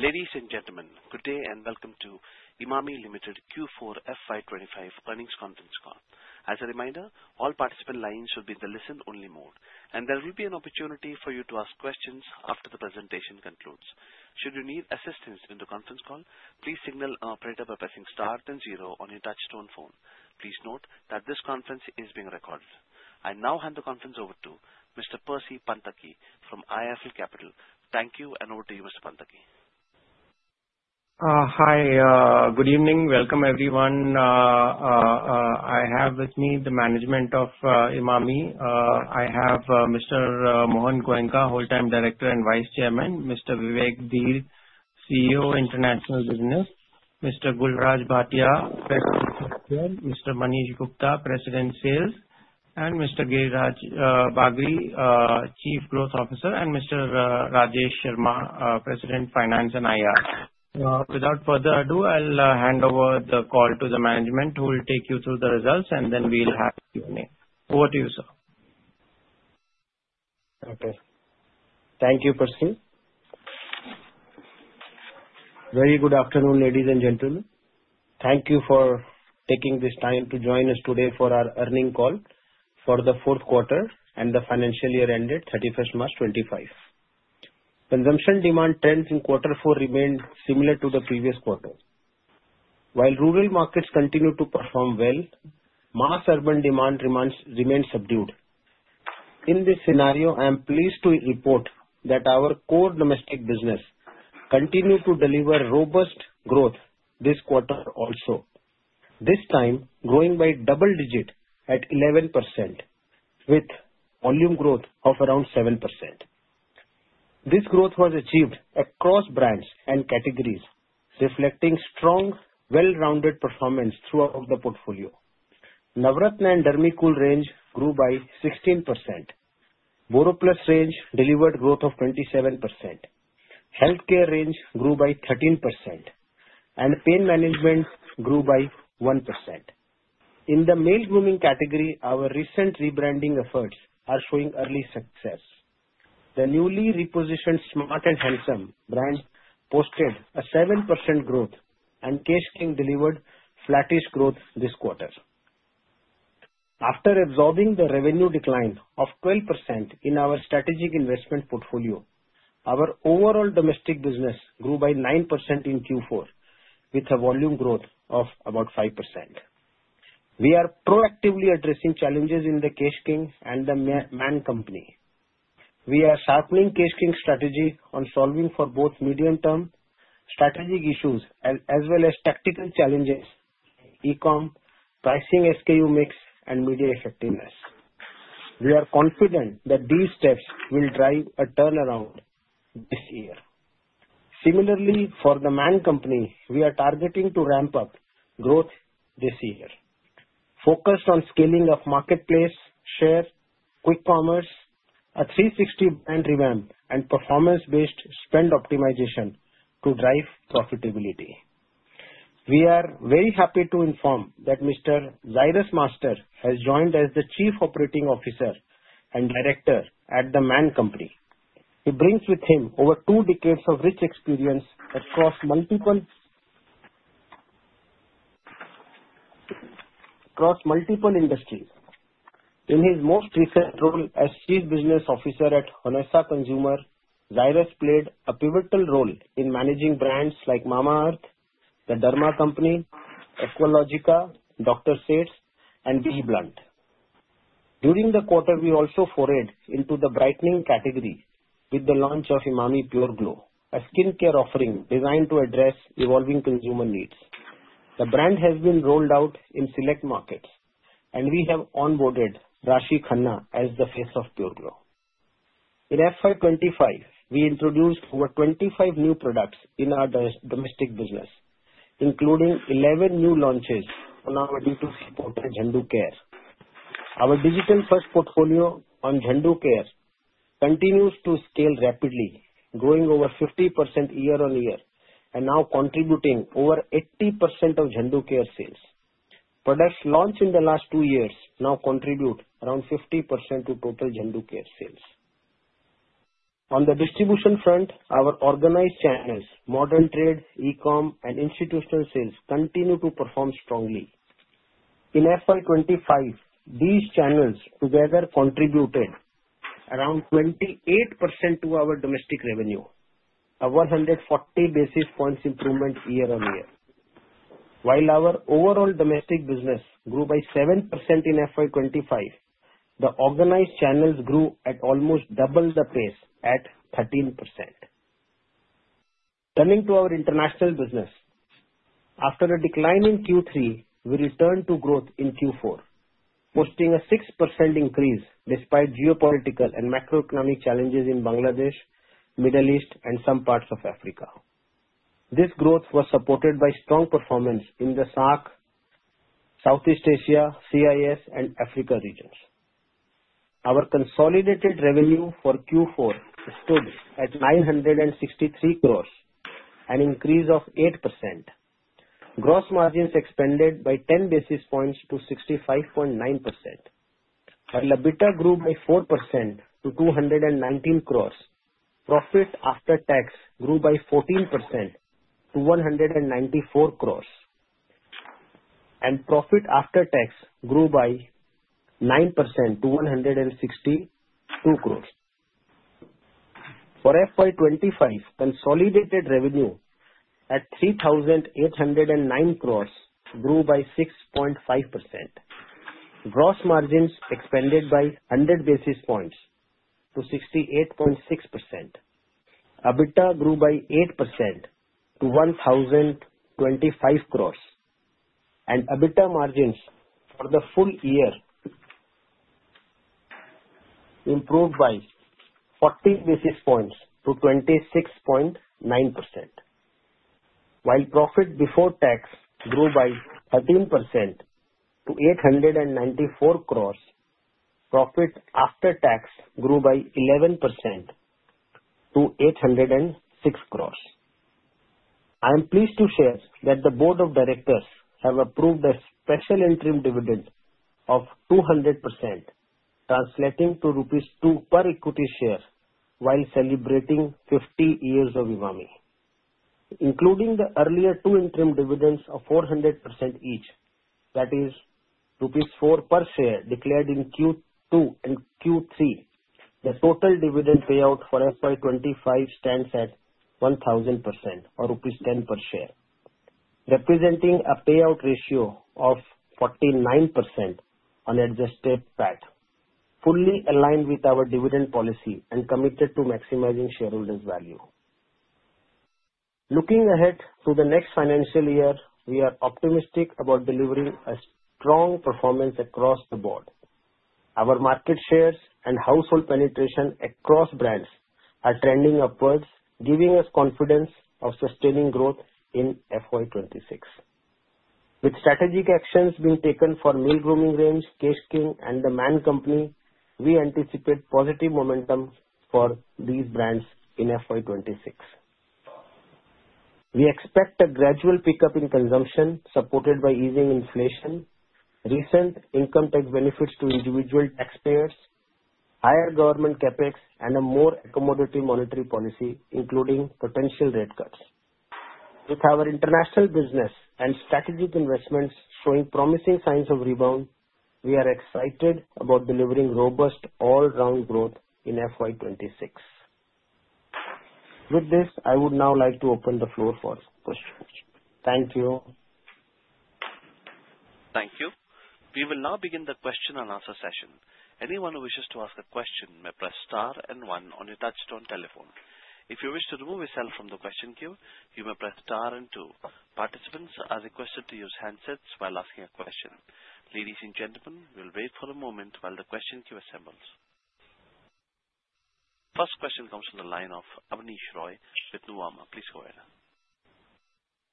Ladies and gentlemen, good day and welcome to Emami Limited Q4 FY 2025 earnings conference call. As a reminder, all participant lines will be in the listen-only mode, and there will be an opportunity for you to ask questions after the presentation concludes. Should you need assistance in the conference call, please signal an operator by pressing star then zero on your touchstone phone. Please note that this conference is being recorded. I now hand the conference over to Mr. Percy Panthaki from IIFL Capital. Thank you, and over to you, Mr. Panthaki. Hi, good evening. Welcome, everyone. I have with me the management of Emami. I have Mr. Mohan Goenka, Wholetime Director and Vice Chairman; Mr. Vivek Dhir, CEO, International Business; Mr. Gul Raj Bhatia, President, Healthcare Sector; Mr. Manish Gupta, President, Sales; and Mr. Giriraj Bagri, Chief Growth Officer; and Mr. Rajesh Sharma, President, Finance and IR. Without further ado, I'll hand over the call to the management, who will take you through the results, and then we'll have Q&A. Over to you, sir. Okay. Thank you, Percy. Very good afternoon, ladies and gentlemen. Thank you for taking this time to join us today for our earning call for the fourth quarter and the financial year ended 31st March 2025. Consumption demand trends in quarter four remained similar to the previous quarter. While rural markets continued to perform well, mass urban demand remained subdued. In this scenario, I am pleased to report that our core domestic business continued to deliver robust growth this quarter also, this time growing by double digit at 11%, with volume growth of around 7%. This growth was achieved across brands and categories, reflecting strong, well-rounded performance throughout the portfolio. Navratna and Dermicool range grew by 16%. BoroPlus range delivered growth of 27%. Healthcare range grew by 13%. Pain management grew by 1%. In the male grooming category, our recent rebranding efforts are showing early success. The newly repositioned Smart & Handsome brand posted a 7% growth, and Kskin delivered flattish growth this quarter. After absorbing the revenue decline of 12% in our strategic investment portfolio, our overall domestic business grew by 9% in Q4, with a volume growth of about 5%. We are proactively addressing challenges in the Kskin and The Man Company. We are sharpening Kskin strategy on solving for both medium-term strategic issues as well as tactical challenges, e-com, pricing SKU mix, and media effectiveness. We are confident that these steps will drive a turnaround this year. Similarly, for The Man Company, we are targeting to ramp up growth this year, focused on scaling of marketplace share, quick commerce, a 360 brand revamp, and performance-based spend optimization to drive profitability. We are very happy to inform that Mr. Zairus Master has joined as the Chief Operating Officer and Director at The Man Company. He brings with him over two decades of rich experience across multiple industries. In his most recent role as Chief Business Officer at Honasa Consumer, Zairus played a pivotal role in managing brands like Mamaearth, The Derma Company, Aqualogica, Dr. Sheth's, and BBlunt. During the quarter, we also forayed into the brightening category with the launch of Emami Pure Glow, a skincare offering designed to address evolving consumer needs. The brand has been rolled out in select markets, and we have onboarded Rashi Khanna as the face of Pure Glow. In FY 2025, we introduced over 25 new products in our domestic business, including 11 new launches on our D2C portal in Zandu Care. Our digital-first portfolio on Zandu Care continues to scale rapidly, growing over 50% year-on-year and now contributing over 80% of Zandu Care sales. Products launched in the last two years now contribute around 50% to total Zandu Care sales. On the distribution front, our organized channels, modern trade, e-com, and institutional sales continue to perform strongly. In FY 2025, these channels together contributed around 28% to our domestic revenue, a 140 basis points improvement year-on-year. While our overall domestic business grew by 7% in FY 2025, the organized channels grew at almost double the pace, at 13%. Turning to our international business, after a decline in Q3, we returned to growth in Q4, posting a 6% increase despite geopolitical and macroeconomic challenges in Bangladesh, Middle East, and some parts of Africa. This growth was supported by strong performance in the SAARC, Southeast Asia, CIS, and Africa regions. Our consolidated revenue for Q4 stood at 963 crore, an increase of 8%. Gross margins expanded by 10 basis points to 65.9%. Our EBITDA grew by 4% to 219 crore. Profit after tax grew by 14% to 194 crore, and profit after tax grew by 9% to 160 crore. For FY 2025, consolidated revenue at 3,809 crore grew by 6.5%. Gross margins expanded by 100 basis points to 68.6%. EBITDA grew by 8% to 1,025 crore, and EBITDA margins for the full year improved by 40 basis points to 26.9%. While profit before tax grew by 13% to 894 crore, profit after tax grew by 11% to 806 crore. I am pleased to share that the board of directors have approved a special interim dividend of 200%, translating to rupees 2 per equity share while celebrating 50 years of Emami. Including the earlier two interim dividends of 400% each, that is rupees 4 per share declared in Q2 and Q3, the total dividend payout for FY 2025 stands at 1,000% or rupees 10 per share, representing a payout ratio of 49% on adjusted PAT, fully aligned with our dividend policy and committed to maximizing shareholders' value. Looking ahead to the next financial year, we are optimistic about delivering a strong performance across the board. Our market shares and household penetration across brands are trending upwards, giving us confidence of sustaining growth in FY 2026. With strategic actions being taken for male grooming range, Kskin, and The Man Company, we anticipate positive momentum for these brands in FY 2026. We expect a gradual pickup in consumption supported by easing inflation, recent income tax benefits to individual taxpayers, higher government CapEx, and a more accommodative monetary policy, including potential rate cuts. With our international business and strategic investments showing promising signs of rebound, we are excited about delivering robust all-round growth in FY 2026. With this, I would now like to open the floor for questions. Thank you. Thank you. We will now begin the question and answer session. Anyone who wishes to ask a question may press star and one on your touchstone telephone. If you wish to remove yourself from the question queue, you may press star and two. Participants are requested to use handsets while asking a question. Ladies and gentlemen, we'll wait for a moment while the question queue assembles. First question comes from the line of Abneesh Roy with Nuvama. Please go ahead.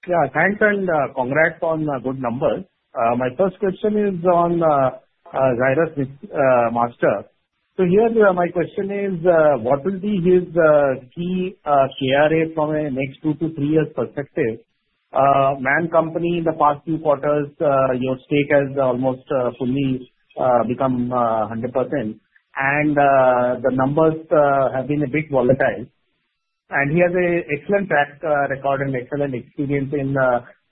Yeah, thanks and congrats on good numbers. My first question is on Zairus Master. So here, my question is, what will be his key KRA from a next two to three years perspective? The Man Company, in the past few quarters, your stake has almost fully become 100%, and the numbers have been a bit volatile. And he has an excellent track record and excellent experience in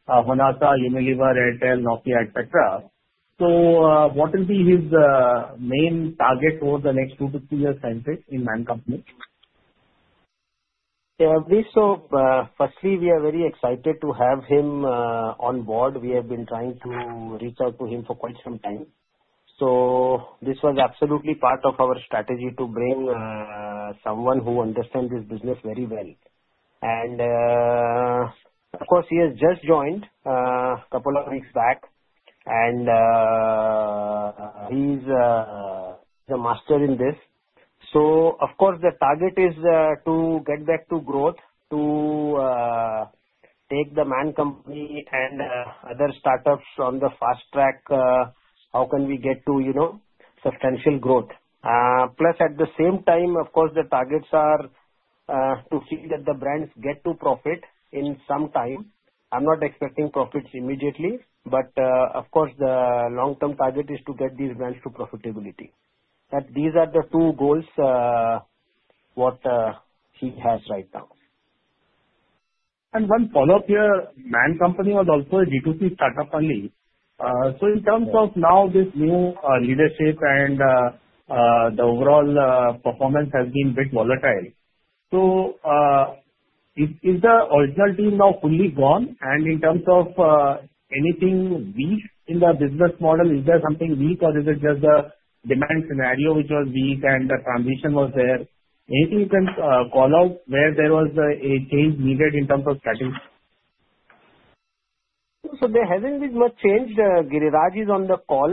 Honasa, Unilever, Airtel, Nokia, etc. So what will be his main target over the next two to three years time frame in The Man Company? Yeah, firstly, we are very excited to have him on board. We have been trying to reach out to him for quite some time. This was absolutely part of our strategy to bring someone who understands this business very well. Of course, he has just joined a couple of weeks back, and he's a master in this. Of course, the target is to get back to growth, to take The Man Company and other startups on the fast track. How can we get to substantial growth? Plus, at the same time, of course, the targets are to see that the brands get to profit in some time. I'm not expecting profits immediately, but of course, the long-term target is to get these brands to profitability. These are the two goals what he has right now. One follow-up here, The Man Company was also a D2C startup only. In terms of now this new leadership and the overall performance has been a bit volatile. Is the original team now fully gone? In terms of anything weak in the business model, is there something weak, or is it just the demand scenario which was weak and the transition was there? Anything you can call out where there was a change needed in terms of strategy? There has not been much change. Giriraj is on the call.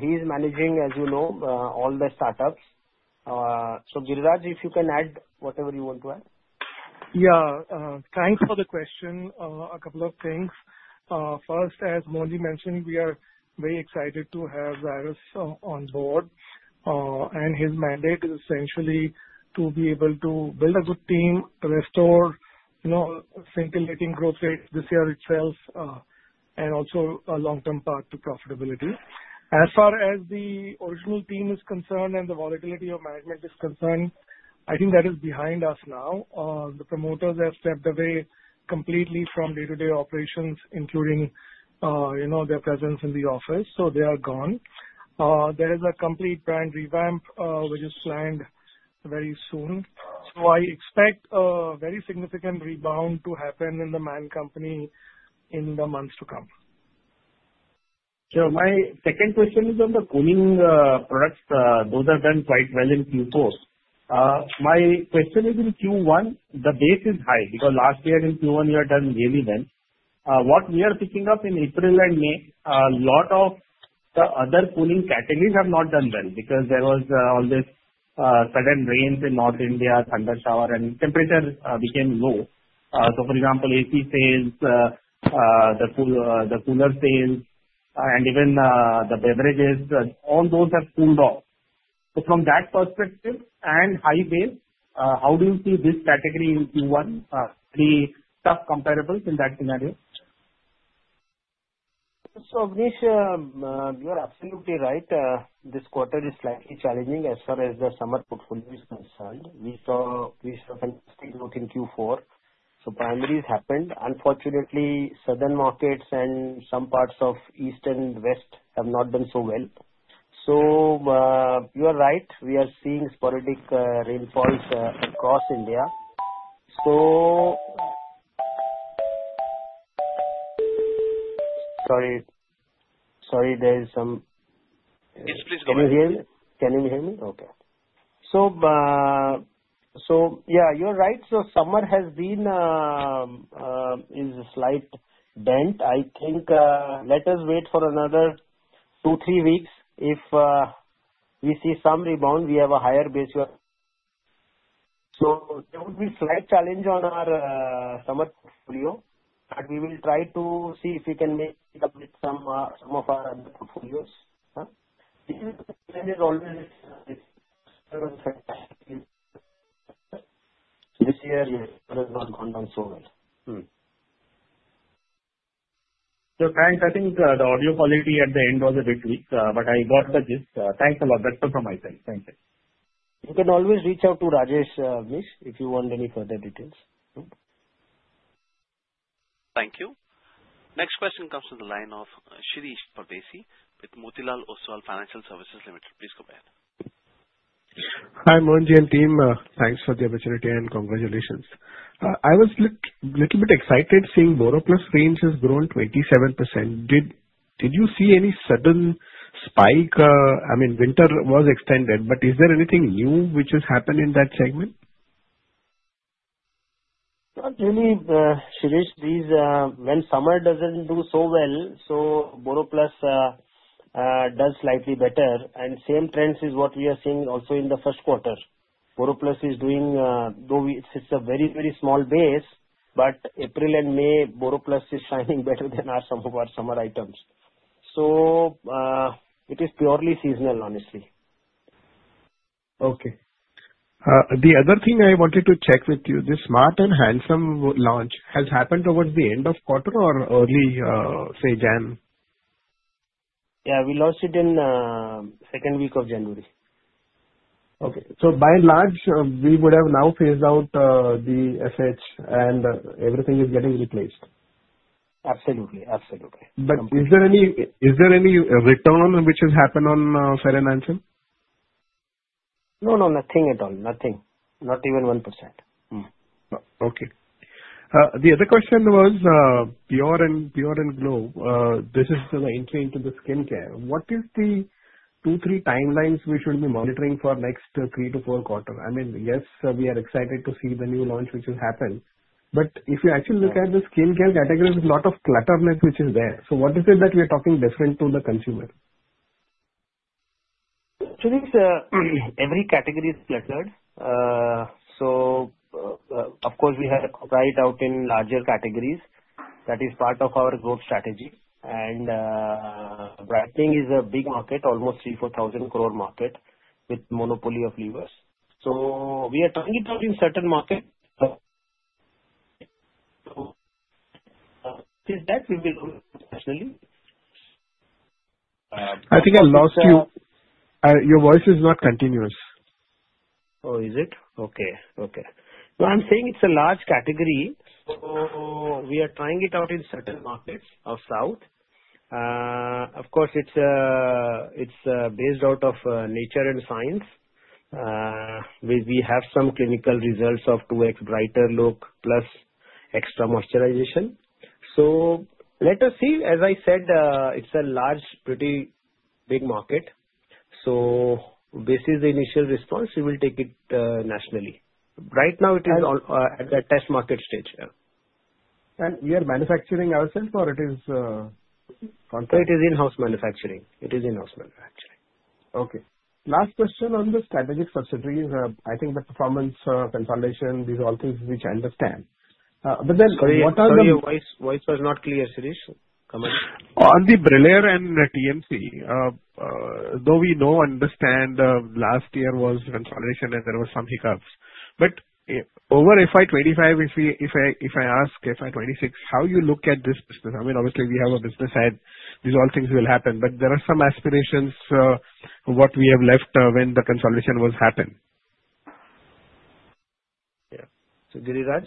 He is managing, as you know, all the startups. Giriraj, if you can add whatever you want to add. Yeah, thanks for the question. A couple of things. First, as Mohan mentioned, we are very excited to have Zairus on board. His mandate is essentially to be able to build a good team, restore circulating growth rate this year itself, and also a long-term path to profitability. As far as the original team is concerned and the volatility of management is concerned, I think that is behind us now. The promoters have stepped away completely from day-to-day operations, including their presence in the office. They are gone. There is a complete brand revamp which is planned very soon. I expect a very significant rebound to happen in The Man Company in the months to come. My second question is on the grooming products. Those have done quite well in Q4. My question is in Q1. The base is high because last year in Q1, you had done really well. What we are picking up in April and May, a lot of the other cooling categories have not done well because there was all this sudden rains in North India, thundershower, and temperature became low. For example, AC sales, the cooler sales, and even the beverages, all those have cooled off. From that perspective and high base, how do you see this category in Q1? Any tough comparables in that scenario? Amnish, you are absolutely right. This quarter is slightly challenging as far as the summer portfolio is concerned. We saw a fantastic growth in Q4. Primary has happened. Unfortunately, southern markets and some parts of east and west have not done so well. You are right. We are seeing sporadic rainfalls across India. Sorry, there is some—can you hear me? Can you hear me? Okay. Yeah, you're right. Summer has been a slight bent. I think let us wait for another two, three weeks. If we see some rebound, we have a higher base here. There will be a slight challenge on our summer portfolio, but we will try to see if we can make up with some of our other portfolios. This year has not gone down so well. Thanks. I think the audio quality at the end was a bit weak, but I got the gist. Thanks a lot. That's all from my side. Thank you. You can always reach out to Rajesh or Amnish if you want any further details. Thank you. Next question comes from the line of Shirish Pardeshi with Motilal Oswal Financial Services Limited. Please go ahead. Hi Mohan and team. Thanks for the opportunity and congratulations. I was a little bit excited seeing BoroPlus range has grown 27%. Did you see any sudden spike? I mean, winter was extended, but is there anything new which has happened in that segment? Not really, Shirish. When summer does not do so well, BoroPlus does slightly better. The same trends are what we are seeing also in the first quarter. BoroPlus is doing—though it is a very, very small base, but April and May, BoroPlus is shining better than some of our summer items. It is purely seasonal, honestly. Okay. The other thing I wanted to check with you, this Smart & Handsome launch has happened towards the end of quarter or early, say, January? Yeah, we launched it in the second week of January. Okay. So by and large, we would have now phased out the FH, and everything is getting replaced. Absolutely. Absolutely. Is there any return on which has happened on Fair & Handsome? No, no, nothing at all. Nothing. Not even 1%. Okay. The other question was Pure and Glow. This is the entry into the skincare. What are the two, three timelines we should be monitoring for next three to four quarters? I mean, yes, we are excited to see the new launch which has happened. If you actually look at the skincare category, there is a lot of clutterness which is there. What is it that we are talking different to the consumer? Shireesh, every category is cluttered. Of course, we have a price out in larger categories. That is part of our growth strategy. Branding is a big market, almost 3,000-4,000 crore market with monopoly of levers. We are trying it out in certain markets. Is that we will go internationally? I think I lost you. Your voice is not continuous. Oh, is it? Okay. Okay. So I'm saying it's a large category. So we are trying it out in certain markets of south. Of course, it's based out of nature and science. We have some clinical results of 2x brighter look plus extra moisturization. Let us see. As I said, it's a large, pretty big market. This is the initial response. We will take it nationally. Right now, it is at the test market stage. Are you manufacturing ourselves or it is? It is in-house manufacturing. Okay. Last question on the strategic subsidiaries. I think the performance consolidation, these are all things which I understand. But then what are the— Sorry, your voice was not clear, Shirish. Come on. On the Brillare and TMC, though we know and understand last year was consolidation and there were some hiccups. Over FY 2025, if I ask FY 2026, how you look at this business? I mean, obviously, we have a business ahead. These are all things will happen. There are some aspirations of what we have left when the consolidation was happened. Yeah. So Giriraj?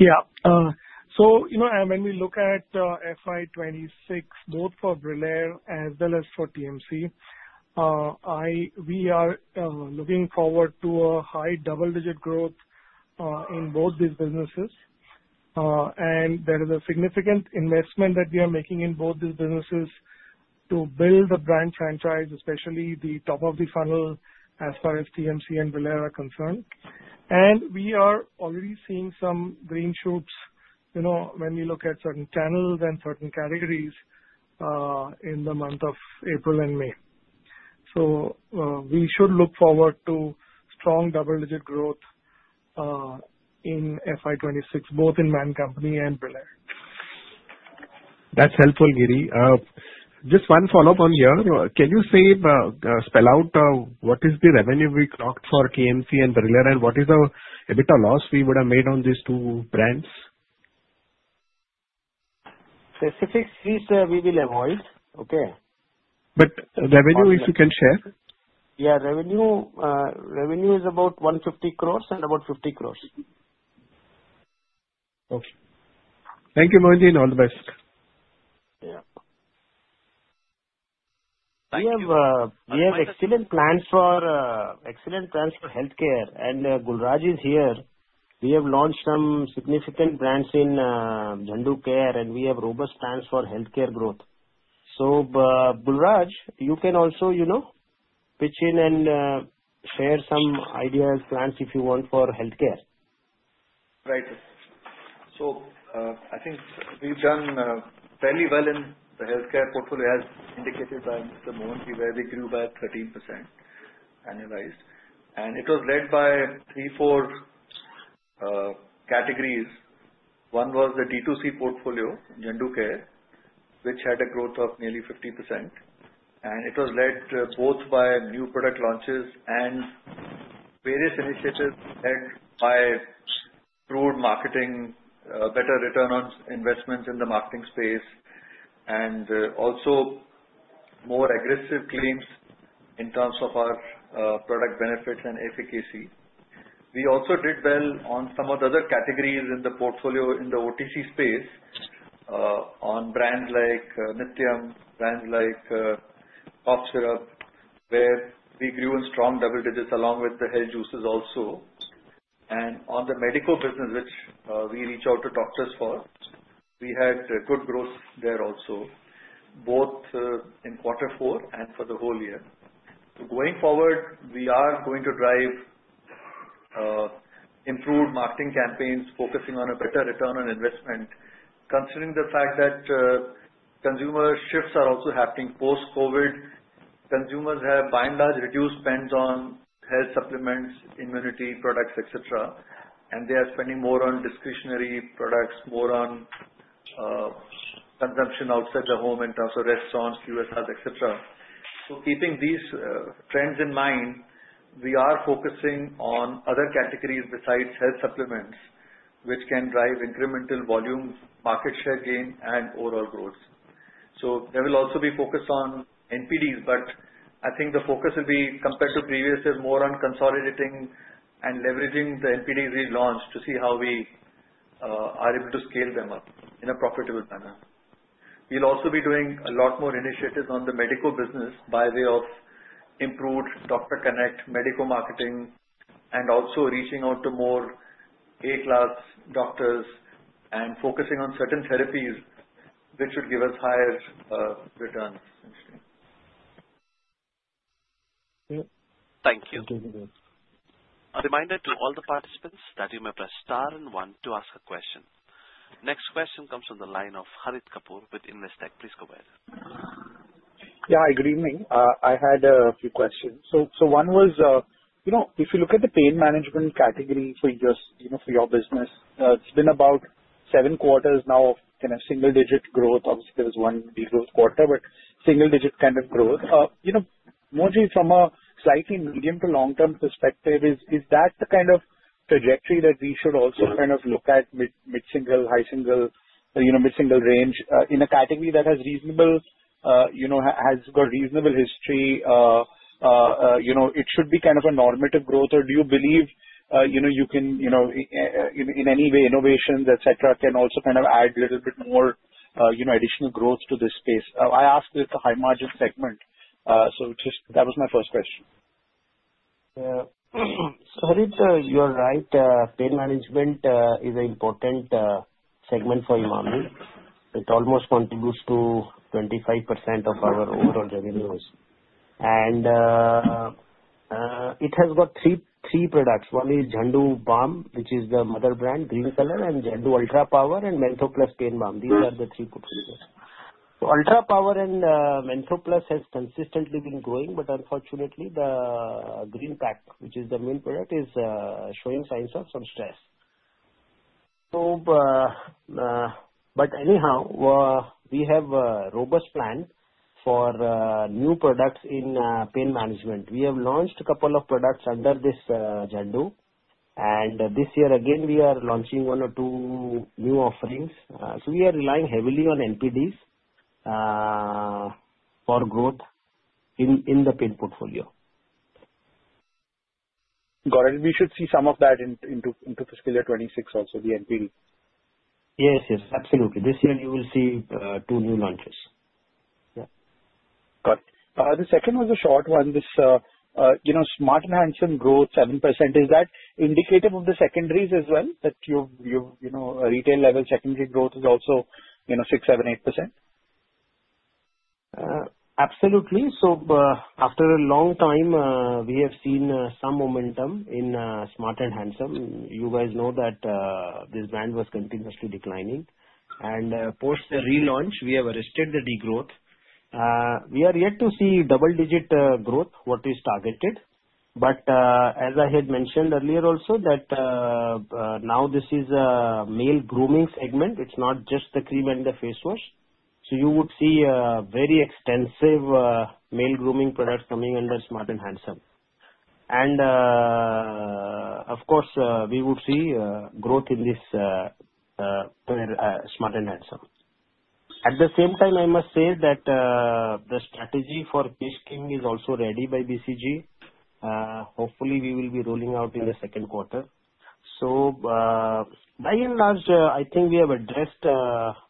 Yeah. When we look at FY 2026, both for Brillare as well as for TMC, we are looking forward to a high double-digit growth in both these businesses. There is a significant investment that we are making in both these businesses to build the brand franchise, especially the top of the funnel as far as TMC and Brillare are concerned. We are already seeing some green shoots when we look at certain channels and certain categories in the month of April and May. We should look forward to strong double-digit growth in FY 2026, both in The Man Company and Brillare. That's helpful, Giri. Just one follow-up on here. Can you spell out what is the revenue we clocked for TMC and Brillare, and what is a bit of loss we would have made on these two brands? Specific fees, we will avoid. Okay. If you can share revenue? Yeah, revenue is about 150 crore and about 50 crore. Okay. Thank you, Mohan. All the best. Yeah. We have excellent plans for healthcare. And Gul Raj is here. We have launched some significant brands in Zandu Care, and we have robust plans for healthcare growth. So Gul Raj, you can also pitch in and share some ideas, plans if you want for healthcare. Right. I think we've done fairly well in the healthcare portfolio, as indicated by Mr. Mohan, where we grew by 13% annualized. It was led by three, four categories. One was the D2C portfolio, Zandu Care, which had a growth of nearly 50%. It was led both by new product launches and various initiatives led by broad marketing, better return on investments in the marketing space, and also more aggressive claims in terms of our product benefits and efficacy. We also did well on some of the other categories in the portfolio in the OTC space on brands like Nithyam, brands like Zandu Cough Syrup, where we grew in strong double digits along with the Zandu Health Juices also. On the medical business, which we reach out to doctors for, we had good growth there also, both in quarter four and for the whole year. Going forward, we are going to drive improved marketing campaigns focusing on a better return on investment, considering the fact that consumer shifts are also happening post-COVID. Consumers have by and large reduced spends on health supplements, immunity products, etc. They are spending more on discretionary products, more on consumption outside the home in terms of restaurants, QSRs, etc. Keeping these trends in mind, we are focusing on other categories besides health supplements, which can drive incremental volume, market share gain, and overall growth. There will also be focus on NPDs, but I think the focus will be, compared to previous years, more on consolidating and leveraging the NPDs we launched to see how we are able to scale them up in a profitable manner. We'll also be doing a lot more initiatives on the medical business by way of improved doctor connect, medical marketing, and also reaching out to more A-class doctors and focusing on certain therapies which would give us higher returns. Thank you. A reminder to all the participants that you may press star and one to ask a question. Next question comes from the line of Harish Kapoor with Investtech. Please go ahead. Yeah, good evening. I had a few questions. One was, if you look at the pain management category for your business, it has been about seven quarters now of kind of single-digit growth. Obviously, there was one degrowth quarter, but single-digit kind of growth. Mohan, from a slightly medium to long-term perspective, is that the kind of trajectory that we should also kind of look at, mid-single, high-single, mid-single range in a category that has got reasonable history? It should be kind of a normative growth, or do you believe you can, in any way, innovations, etc., can also kind of add a little bit more additional growth to this space? I ask with the high-margin segment, so that was my first question. Yeah. So Harish, you're right. Pain management is an important segment for Emami. It almost contributes to 25% of our overall revenues. And it has got three products. One is Zandu Balm, which is the mother brand, green color, and Zandu Ultra Power and Mentho Plus Pain Balm. These are the three portfolios. Ultra Power and Mentho Plus have consistently been growing, but unfortunately, the Green Pack, which is the main product, is showing signs of some stress. Anyhow, we have a robust plan for new products in pain management. We have launched a couple of products under this Zandu. This year, again, we are launching one or two new offerings. We are relying heavily on NPDs for growth in the pain portfolio. Got it. We should see some of that into fiscal year 2026 also, the NPD. Yes, yes. Absolutely. This year, you will see two new launches. Yeah. Got it. The second was a short one. Smart & Handsome growth, 7%. Is that indicative of the secondaries as well, that your retail-level secondary growth is also 6-7-8%? Absolutely. After a long time, we have seen some momentum in Smart & Handsome. You guys know that this brand was continuously declining. Post the relaunch, we have arrested the degrowth. We are yet to see double-digit growth, which is targeted. As I had mentioned earlier also, now this is a male grooming segment. It is not just the cream and the face wash. You would see a very extensive male grooming product coming under Smart & Handsome. Of course, we would see growth in this Smart & Handsome. At the same time, I must say that the strategy for Kesh King is also ready by Boston Consulting Group. Hopefully, we will be rolling out in the second quarter. By and large, I think we have addressed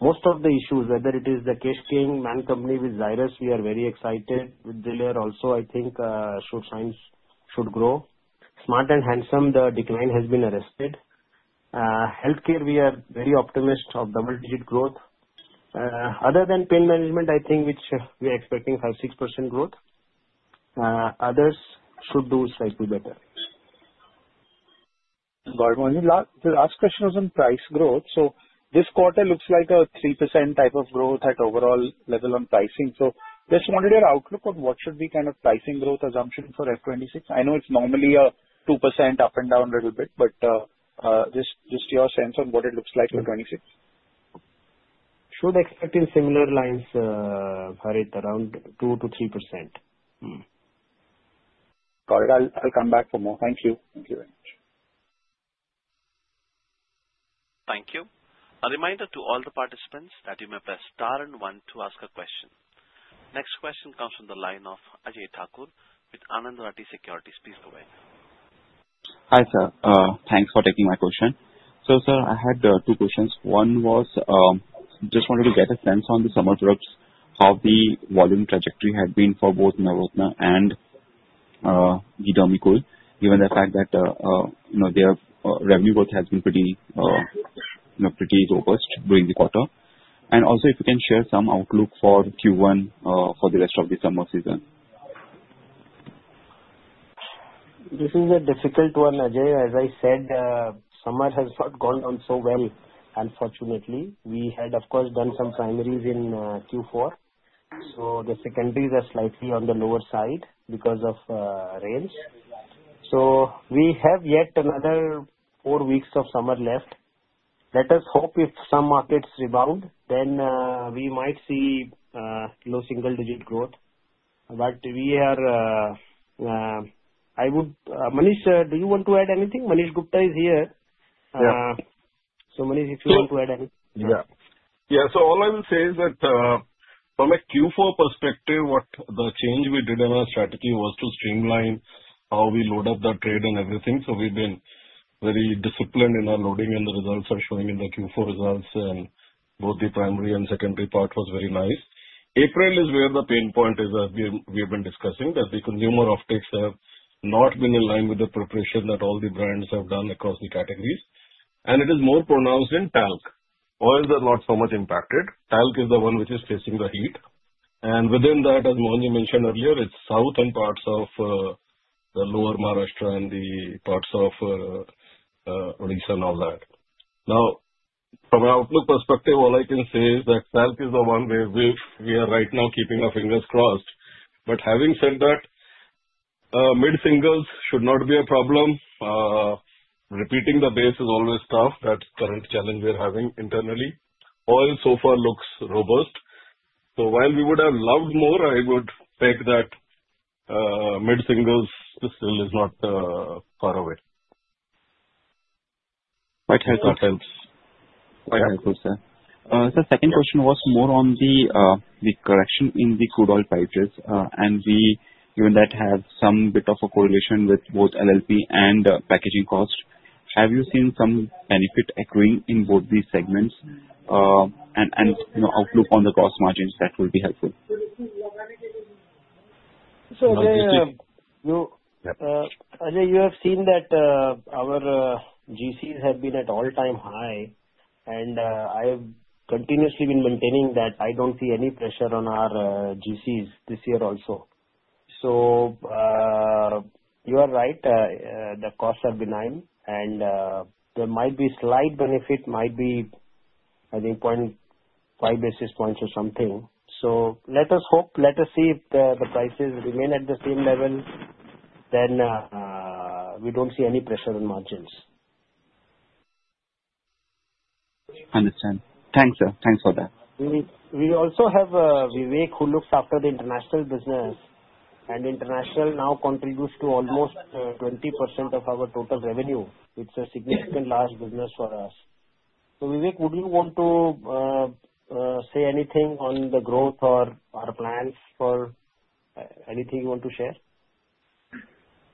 most of the issues, whether it is the Kesh King, The Man Company with Zairus. We are very excited with Brillare also. I think short signs should grow. Smart & Handsome, the decline has been arrested. Healthcare, we are very optimistic of double-digit growth. Other than pain management, I think we are expecting 5-6% growth. Others should do slightly better. Got it. The last question was on price growth. This quarter looks like a 3% type of growth at overall level on pricing. Just wanted your outlook on what should be kind of pricing growth assumption for 2026. I know it's normally a 2% up and down a little bit, but just your sense on what it looks like for 2026. Should expect in similar lines, Harish, around 2-3%. Got it. I'll come back for more. Thank you. Thank you very much. Thank you. A reminder to all the participants that you may press star and one to ask a question. Next question comes from the line of Ajay Thakur with Anandvati Securities. Please go ahead. Hi sir. Thanks for taking my question. Sir, I had two questions. One was, just wanted to get a sense on the summer products, how the volume trajectory had been for both Navratna and Dermicool, given the fact that their revenue growth has been pretty robust during the quarter. Also, if you can share some outlook for Q1 for the rest of the summer season. This is a difficult one, Ajay. As I said, summer has not gone on so well, unfortunately. We had, of course, done some primaries in Q4. The secondaries are slightly on the lower side because of rains. We have yet another four weeks of summer left. Let us hope if some markets rebound, then we might see low single-digit growth. I would, Manish, do you want to add anything? Manish Gupta is here. Manish, if you want to add anything. Yeah. Yeah. All I will say is that from a Q4 perspective, what the change we did in our strategy was to streamline how we load up the trade and everything. We have been very disciplined in our loading, and the results are showing in the Q4 results. Both the primary and secondary part was very nice. April is where the pain point is that we have been discussing, that the consumer uptakes have not been in line with the preparation that all the brands have done across the categories. It is more pronounced in Talc. Oils are not so much impacted. Talc is the one which is facing the heat. Within that, as Mohan mentioned earlier, it is southern parts of the lower Maharashtra and the parts of Odisha and all that. Now, from an outlook perspective, all I can say is that Talc is the one where we are right now keeping our fingers crossed. Having said that, mid-singles should not be a problem. Repeating the base is always tough. That is the current challenge we are having internally. Oil so far looks robust. While we would have loved more, I would peg that mid-singles still is not far away. My thanks. My thanks, sir. The second question was more on the correction in the crude oil prices. Given that has some bit of a correlation with both LLP and packaging cost, have you seen some benefit accruing in both these segments? An outlook on the cost margins, that would be helpful. Ajay, you have seen that our GCs have been at all-time high. I have continuously been maintaining that I do not see any pressure on our GCs this year also. You are right. The costs are benign. There might be slight benefit, might be, I think, 0.5 basis points or something. Let us hope. Let us see if the prices remain at the same level, then we do not see any pressure on margins. Understand. Thanks, sir. Thanks for that. We also have Vivek, who looks after the international business. International now contributes to almost 20% of our total revenue. It is a significant large business for us. Vivek, would you want to say anything on the growth or our plans for anything you want to share?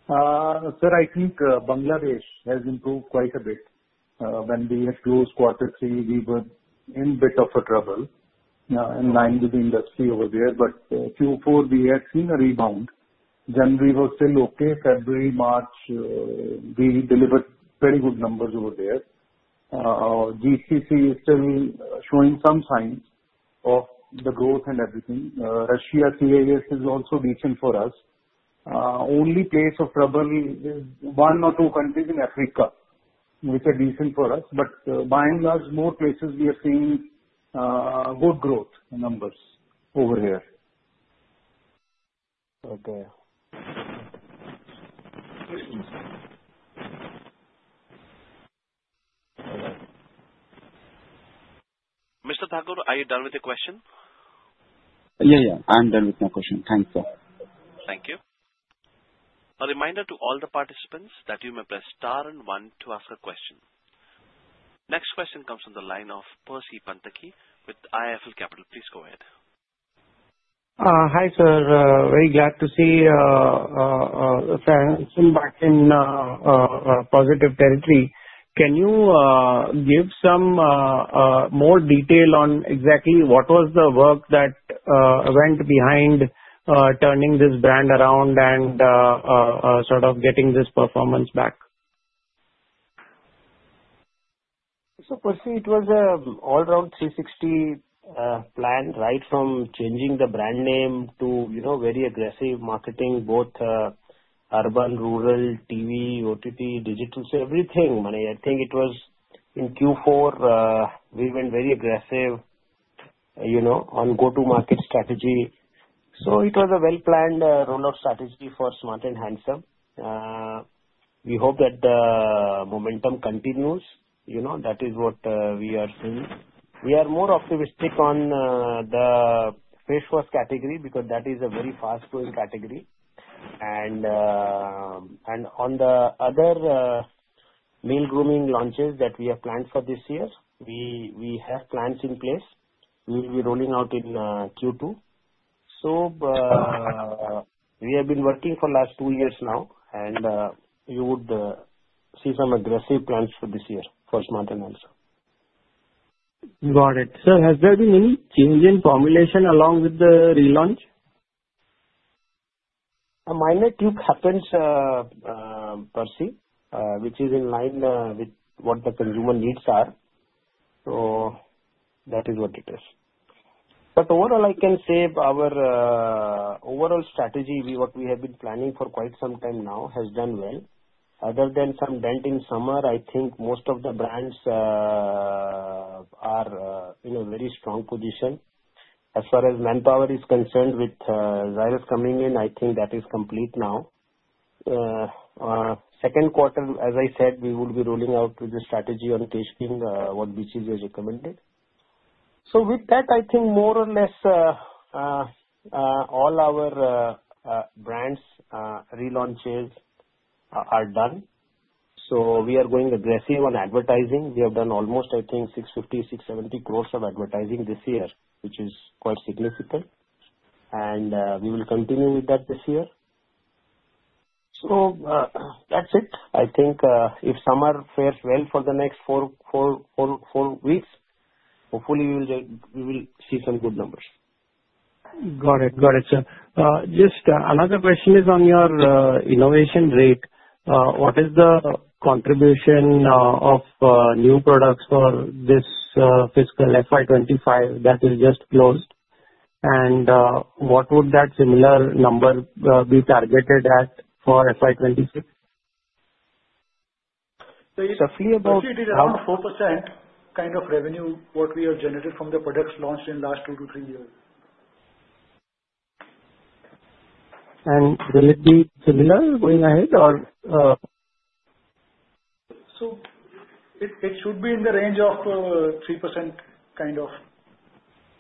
Sir, I think Bangladesh has improved quite a bit. When we had closed quarter three, we were in a bit of a trouble in line with the industry over there. Q4, we had seen a rebound. January was still okay. February, March, we delivered very good numbers over there. GCC is still showing some signs of the growth and everything. Russia, CIS is also decent for us. Only place of trouble is one or two countries in Africa, which are decent for us. By and large, more places we are seeing good growth numbers over here. Okay. Mr. Thakur, are you done with the question? Yeah, yeah. I'm done with my question. Thanks, sir. Thank you. A reminder to all the participants that you may press star and one to ask a question. Next question comes from the line of Percy Panthaki with IIFL Capital. Please go ahead. Hi sir. Very glad to see Kskin back in positive territory. Can you give some more detail on exactly what was the work that went behind turning this brand around and sort of getting this performance back? Percy, it was an all-round 360 plan, right, from changing the brand name to very aggressive marketing, both urban, rural, TV, OTT, digital, everything. I think it was in Q4, we went very aggressive on go-to-market strategy. It was a well-planned rollout strategy for Smart & Handsome. We hope that the momentum continues. That is what we are seeing. We are more optimistic on the face wash category because that is a very fast-growing category. On the other male grooming launches that we have planned for this year, we have plans in place. We will be rolling out in Q2. We have been working for the last two years now. You would see some aggressive plans for this year, for Smart & Handsome. Got it. Sir, has there been any change in formulation along with the relaunch? A minor tweak happened, Percy, which is in line with what the consumer needs are. That is what it is. Overall, I can say our overall strategy, what we have been planning for quite some time now, has done well. Other than some dent in summer, I think most of the brands are in a very strong position. As far as manpower is concerned with Zairus coming in, I think that is complete now. Second quarter, as I said, we will be rolling out with the strategy on Kesh King, what Boston Consulting Group has recommended. With that, I think more or less all our brands, relaunches are done. We are going aggressive on advertising. We have done almost, I think, 650 crore-670 crore of advertising this year, which is quite significant. We will continue with that this year. That is it. I think if summer fares well for the next four weeks, hopefully, we will see some good numbers. Got it. Got it, sir. Just another question is on your innovation rate. What is the contribution of new products for this fiscal FY 2025 that is just closed? What would that similar number be targeted at for FY 2026? Roughly about around 4% kind of revenue, what we have generated from the products launched in the last two to three years. Will it be similar going ahead or? It should be in the range of 3% kind of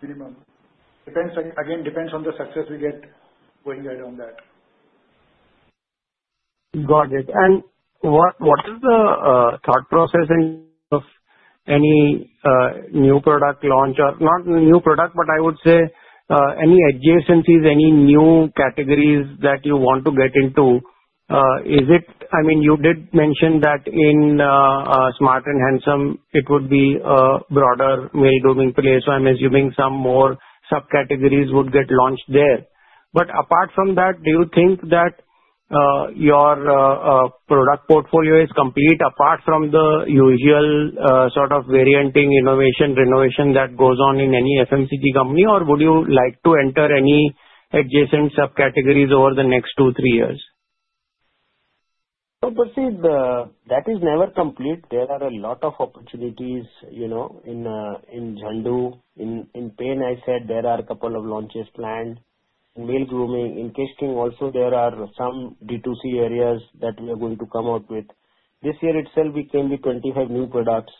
minimum. Again, depends on the success we get going ahead on that. Got it. What is the thought process of any new product launch? Not new product, but I would say any adjacencies, any new categories that you want to get into. I mean, you did mention that in Smart & Handsome, it would be a broader male grooming place. I'm assuming some more subcategories would get launched there. Apart from that, do you think that your product portfolio is complete apart from the usual sort of varianting, innovation, renovation that goes on in any FMCG company? Would you like to enter any adjacent subcategories over the next two, three years? Percy, that is never complete. There are a lot of opportunities in Zandu. In pain, I said there are a couple of launches planned. In male grooming, in Kesh King also, there are some D2C areas that we are going to come out with. This year itself, we came with 25 new products,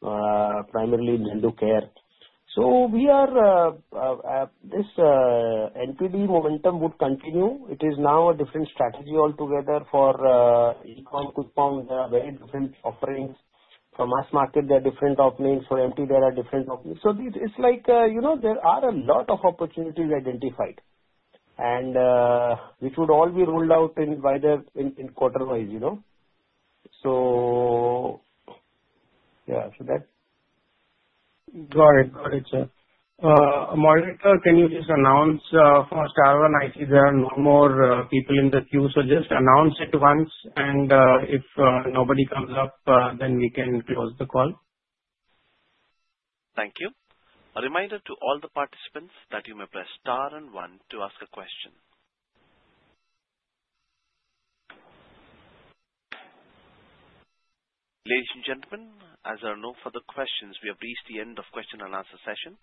primarily in Zandu Care. This NPD momentum would continue. It is now a different strategy altogether for e-com, quick commerce. There are very different offerings. For mass market, there are different offerings. For MT, there are different offerings. It is like there are a lot of opportunities identified, which would all be rolled out quarter-wise. Yeah, that. Got it. Got it, sir. Mohan sir, can you just announce for star one? I see there are no more people in the queue. Just announce it once. If nobody comes up, then we can close the call. Thank you. A reminder to all the participants that you may press star and one to ask a question. Ladies and gentlemen, as there are no further questions, we have reached the end of the question and answer session.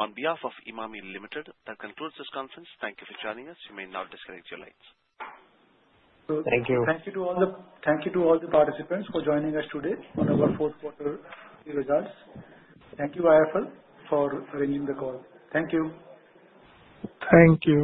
On behalf of Emami Limited, that concludes this conference. Thank you for joining us. You may now disconnect your lines. Thank you. Thank you to all the participants for joining us today on our fourth quarter results. Thank you, IIFL, for arranging the call. Thank you. Thank you.